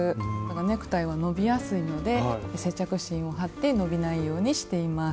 ネクタイは伸びやすいので接着芯を貼って伸びないようにしています。